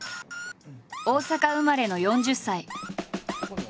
大阪生まれの４０歳。